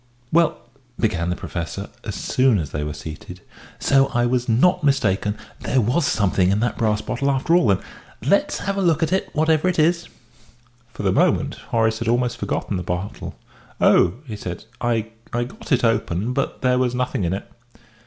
"Well," began the Professor, as soon as they were seated, "so I was not mistaken there was something in the brass bottle after all, then? Let's have a look at it, whatever it is." For the moment Horace had almost forgotten the bottle. "Oh!" he said, "I I got it open; but there was nothing in it."